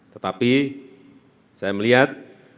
tetapi saya melihat